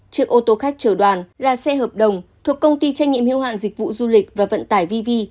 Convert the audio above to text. trước ô tô khách trở đoàn là xe hợp đồng thuộc công ty trách nhiệm hiếu hạn dịch vụ du lịch và vận tải vv